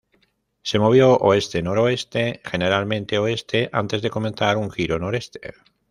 Se movió oeste-noroeste generalmente oeste antes de comenzar un giro noreste.